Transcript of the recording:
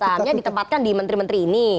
tahapannya ditempatkan di menteri menteri ini